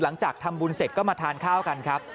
หลังจากทำบุญเสร็จก็มาทานข้าวกันครับ